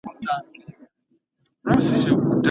ولي کوښښ کوونکی د لایق کس په پرتله موخي ترلاسه کوي؟